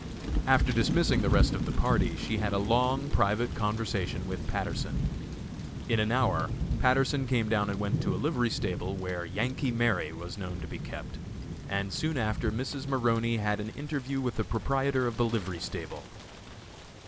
After dismissing the rest of the party she had a long, private conversation with Patterson. In an hour Patterson came down and went to a livery stable where "Yankee Mary" was known to be kept, and soon after Mrs. Maroney had an interview with the proprietor of the livery stable.